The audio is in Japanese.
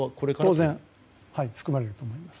当然行われると思います。